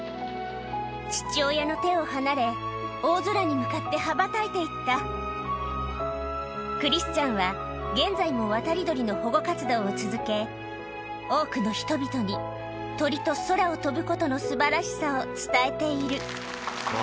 父親の手を離れ大空に向かって羽ばたいて行ったクリスチャンは現在も渡り鳥の保護活動を続け多くの人々に鳥と空を飛ぶことの素晴らしさを伝えているあ